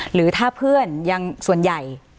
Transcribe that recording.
หรือถ้าเพื่อนยังส่วนใหญ่